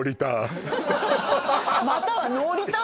またはノーリターン！